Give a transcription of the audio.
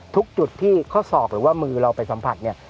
ทุกจุดที่ข้อศอกหรือว่ามือเราไปสัมผัสเนี่ย